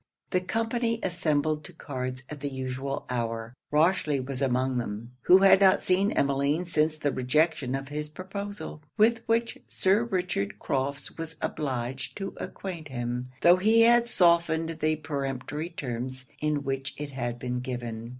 The company assembled to cards at the usual hour. Rochely was among them; who had not seen Emmeline since the rejection of his proposal, with which Sir Richard Crofts was obliged to acquaint him, tho' he had softened the peremptory terms in which it had been given.